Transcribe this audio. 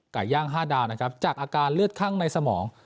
ไก่ย่าง๕ดาวนะครับจากอาการเลือดข้างในสมอง